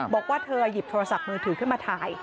บอกว่าเธอหยิบโทรศัพท์มือถือขึ้นมาถ่าย